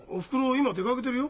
今出かけてるよ。